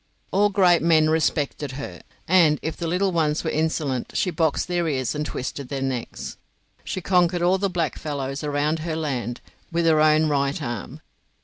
All great men respected her, and if the little ones were insolent she boxed their ears and twisted their necks. She conquered all the blackfellows around her land with her own right arm.